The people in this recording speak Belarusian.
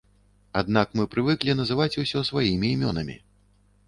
Аднак мы прывыклі называць усё сваімі імёнамі!